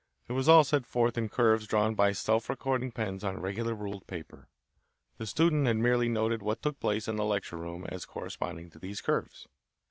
It was all set forth in curves drawn by self recording pens on regular ruled paper. The student had merely noted what took place in the lecture room as corresponding to these curves.